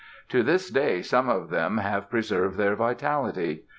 To this day some of them have preserved their vitality.